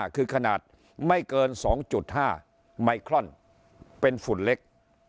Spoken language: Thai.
คือขนาดไม่เกิน๒๕ไมครอนเป็นฝุ่นเล็ก